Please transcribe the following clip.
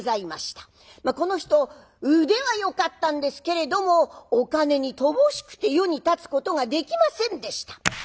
この人腕はよかったんですけれどもお金に乏しくて世に立つことができませんでした。